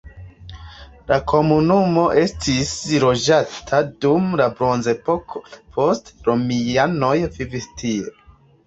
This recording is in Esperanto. La komunumo estis loĝata dum la bronzepoko, poste romianoj vivis tie.